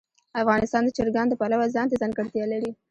افغانستان د چرګان د پلوه ځانته ځانګړتیا لري.